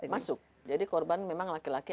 masuk jadi korban memang laki laki